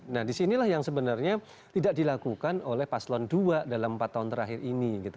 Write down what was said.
nah disinilah yang sebenarnya tidak dilakukan oleh paslon dua dalam empat tahun terakhir ini gitu